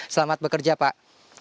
selamat bekerja pak